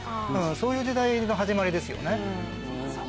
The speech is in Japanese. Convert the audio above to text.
そういう時代の始まりですよね。